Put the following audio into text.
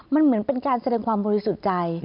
มันเหมือนเป็นการแสดงความบริสุทธิ์ใจ